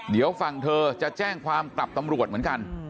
เดี๋ยวฝั่งเธอจะแจ้งความกลับตำรวจเหมือนกัน